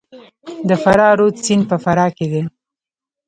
د فرا رود سیند په فراه کې دی